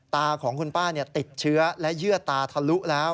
ตาของคุณป้าติดเชื้อและเยื่อตาทะลุแล้ว